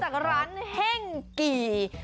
เขาบอกว่าบะหมี่ที่นี่เป็นบะหมี่แบบฟิวชั่น